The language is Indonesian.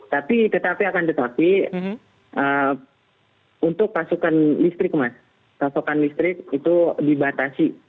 tetapi akan tetapi untuk pasukan listrik mas pasukan listrik itu dibatasi